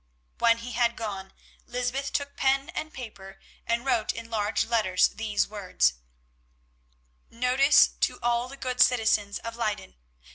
When he had gone Lysbeth took pen and paper and wrote in large letters these words:— "Notice to all the good citizens of Leyden.